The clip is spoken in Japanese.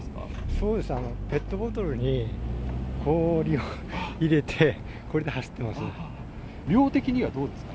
そうですね、ペットボトルに氷を入れて、量的にはどうですか？